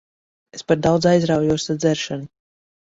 Es par daudz aizraujos ar dzeršanu.